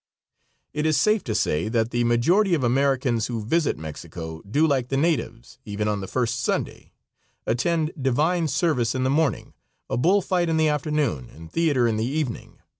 It is safe to say that the majority of Americans who visit Mexico do like the natives, even on the first Sunday; attend divine service in the morning, a bull fight in the afternoon and theater in the evening.